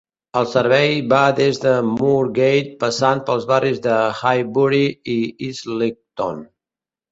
El servei va des de Moorgate passant pels barris de Highbury i Islington.